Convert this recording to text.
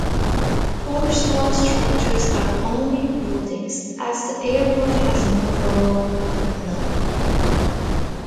Four small structures are the only buildings, as the airport has no formal terminal.